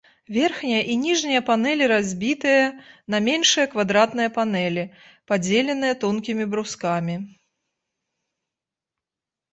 Верхняя і ніжняя панэлі разбітыя на меншыя квадратныя панэлі, падзеленыя тонкімі брускамі.